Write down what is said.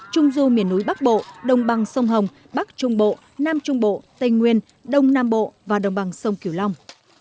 trung du miền núi bắc bộ đồng bằng sông hồng bắc trung bộ nam trung bộ tây nguyên đông nam bộ và đồng bằng sông kiểu long